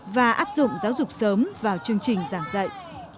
và áp dụng giáo dục sớm vào chương trình giảng dạy